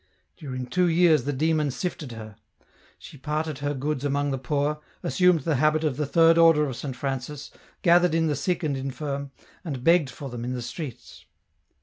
During two years the demon sifted her. She parted her goods among the poor, assumed the habit of the Third Order of Saint Francis, gathered in the.sick and infirm, and begged for them in the streets.